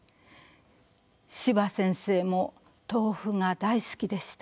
司馬先生も豆腐が大好きでした。